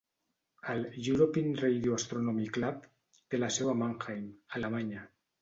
El "European Radio Astronomy Club" té la seu a Mannheim, Alemanya.